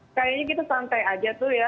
itu kayaknya kita santai aja tuh ya